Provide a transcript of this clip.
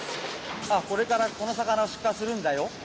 これからこの魚を出荷するんだよ。